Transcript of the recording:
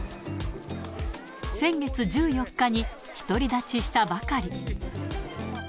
先月１４日に独り立ちしたばかり。